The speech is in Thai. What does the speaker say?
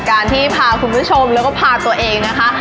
คุณผู้ชมแล้วก็พาตัวเองนะคะ